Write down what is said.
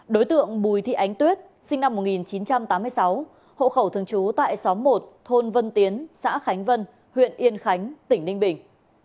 đối tượng bùi thị ánh tuyết sinh năm một nghìn chín trăm tám mươi sáu hộ khẩu thường trú tại xóm một thôn vân tiến xã khánh vân huyện yên khánh tỉnh ninh bình